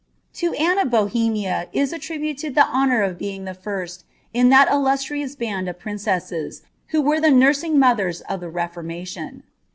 To Anne of Bohemia is aiirihuled Lhe honour of being the first, in thai itlusirious band of princesses, who were lhe nursing moilicrv of thr. Keformalion.